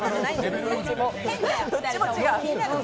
どっちも違う！